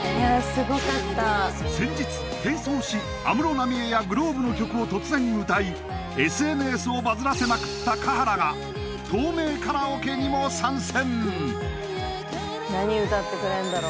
先日変装し安室奈美恵やｇｌｏｂｅの曲を突然歌いＳＮＳをバズらせまくった華原が透明カラオケにも参戦！